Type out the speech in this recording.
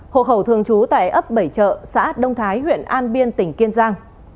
hộ khẩu thường trú tại ấp bảy chợ xã đông thái huyện an biên tỉnh kiên giang